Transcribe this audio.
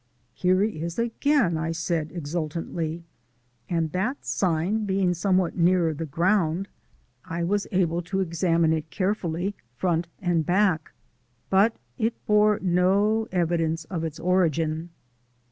"Here he is again," I said exultantly, and that sign being somewhat nearer the ground I was able to examine it carefully front and back, but it bore no evidence of its origin.